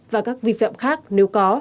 và các vi phạm khác nếu có